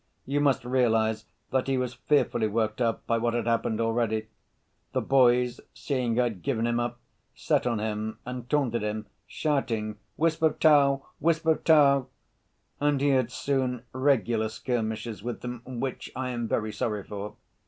You must realize that he was fearfully worked up by what had happened already. The boys, seeing I'd given him up, set on him and taunted him, shouting, 'Wisp of tow, wisp of tow!' And he had soon regular skirmishes with them, which I am very sorry for.